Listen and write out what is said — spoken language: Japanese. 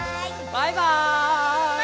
「バイバーイ！」